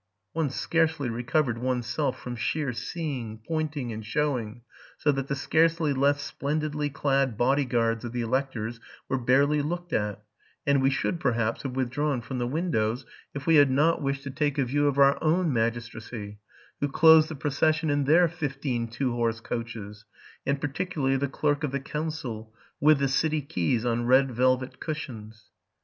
One scarcely recovered one's self from sheer seeing, pointing, and showing, so that the scarcely less splen didly "clad body guards of the electors were barely looked at ; and we should, perhaps, have withdrawn from the windows, if we had not wished to take a view of our own magistracy, who closed the procession in their fifteen two horse coaches ; and particularly the clerk of the council, with the city keys on red velvet cushions.